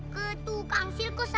ke tukang sirkus kan